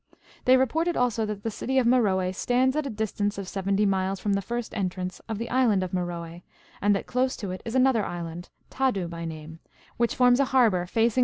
They reported also that the city of Meroe stands at a distance of seventy miles from the first entrance of the island of Meroe, and that close to it is another island, Tadu by name, which forms a harbour facing those who enter the " See B.